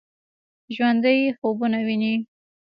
ژوندي خوبونه ويني